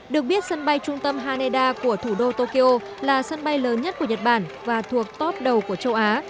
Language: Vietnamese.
được biết sân bay trung tâm haneda của thủ đô tokyo là sân bay lớn nhất của nhật bản và thuộc top đầu của châu á